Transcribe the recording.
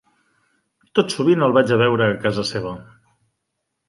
Tot sovint el vaig a veure a casa seva.